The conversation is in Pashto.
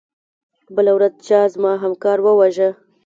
بله ورځ چا زما همکار وواژه.